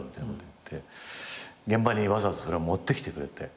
現場にわざわざそれを持ってきてくれて。